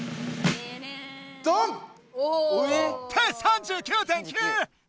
どん！って３９．９！